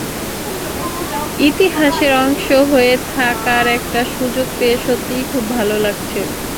ইতিহাসের অংশ হয়ে থাকার একটা সুযোগ পেয়ে সত্যিই খুব ভালো লাগছে।